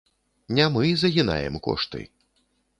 Не мы загінаем кошты.